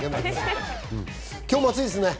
今日も暑いですね。